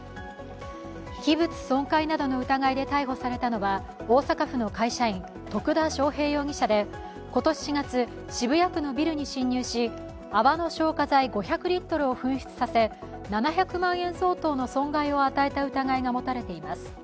器物損壊などの疑いで逮捕されたのは大阪市の会社員、徳田翔平容疑者で今年４月、渋谷区のビルに侵入し、泡の消火剤５００リットルを噴出させ、噴出させ、７００万円相当の損害を与えた疑いが持たれています。